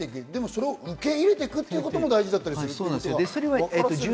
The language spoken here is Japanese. それを受け入れていくということも大事だったりするからな。